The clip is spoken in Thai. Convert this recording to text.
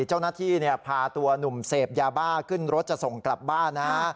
เจ้าหน้าที่พาตัวหนุ่มเสพยาบ้าขึ้นรถจะส่งกลับบ้านนะ